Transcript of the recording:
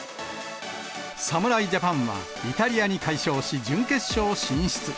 侍ジャパンはイタリアに快勝し、準決勝進出。